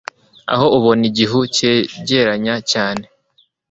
aho ubona igihu cyegeranya cyane